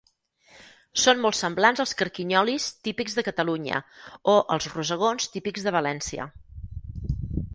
Són molt semblants als carquinyolis típics de Catalunya o als rosegons típics de València.